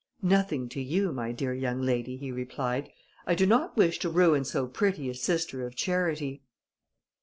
"Nothing to you, my dear young lady," he replied, "I do not wish to ruin so pretty a sister of charity."